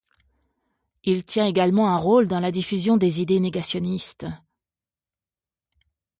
Il tient également un rôle dans la diffusion des idées négationnistes.